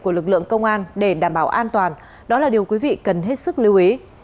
của lực lượng công an để đảm bảo an toàn đó là điều quý vị cần hết sức lưu ý